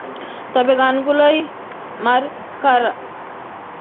তবে গানগুলোই ম্যারমার্কা।